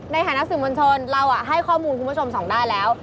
ในหัวหนักสินบนชนเราอะให้ข้อมูลคุณผู้ชมส่องได้แล้ว